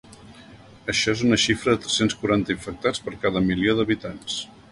Això és una xifra de tres-cents quaranta infectats per cada milió d’habitants.